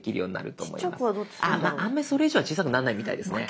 あんまりそれ以上は小さくなんないみたいですね。